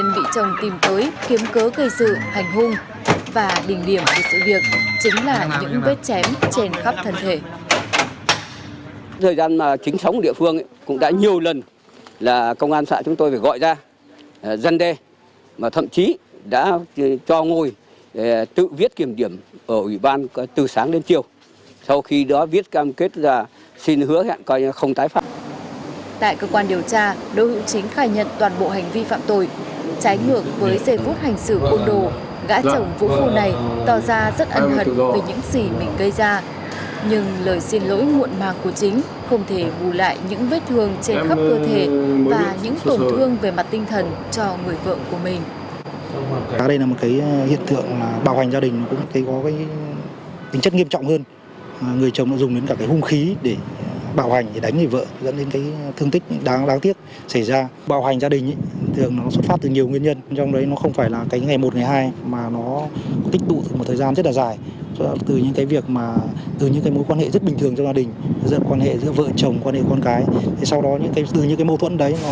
nhưng lời xin lỗi muộn màng của chính không thể bù lại những vết thương trên khắp cơ thể và những tổn thương về mặt tinh thần cho người vợ của mình